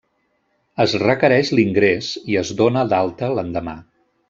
Es requereix l'ingrés, i es dóna d'alta l'endemà.